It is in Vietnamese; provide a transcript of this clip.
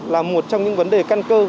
là một trong những vấn đề căn cơ